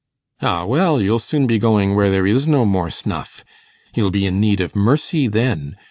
'Ah, well! you'll soon be going where there is no more snuff. You'll be in need of mercy then.